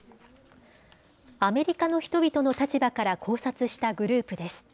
アメリカの人々の立場から考察したグループです。